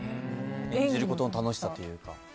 演じることの楽しさというか。